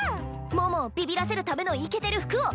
桃をビビらせるためのイケてる服を